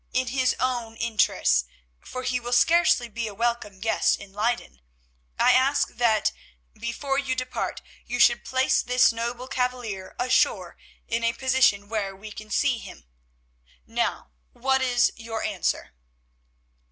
In his own interests, for he will scarcely be a welcome guest in Leyden, I ask that, before you depart, you should place this noble cavalier ashore in a position where we can see him. Now, what is your answer?"